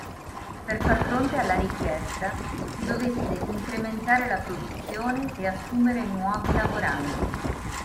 Per far fronte alla richiesta si dovette incrementare la produzione e assumere nuovi lavoranti.